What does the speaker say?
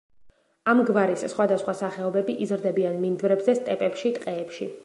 ამ გვარის სხვადასხვა სახეობები იზრდებიან მინდვრებზე, სტეპებში, ტყეებში.